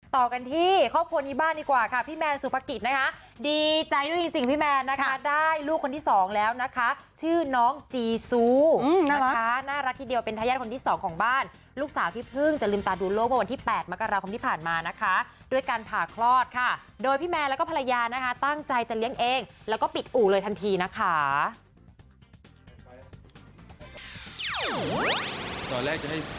ต่อกันที่ครอบครัวนี้บ้านดีกว่าค่ะพี่มันสุภกิจนะคะดีใจด้วยจริงนะคะ